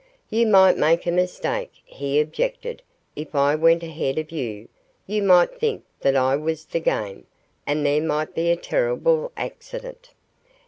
"You might make a mistake," he objected. "If I went ahead of you, you might think that I was the game. And there might be a terrible accident."